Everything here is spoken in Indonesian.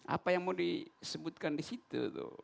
apa yang mau disebutkan di situ